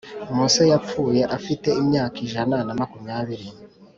Mose yapfuye afite imyaka ijana na makumyabiri.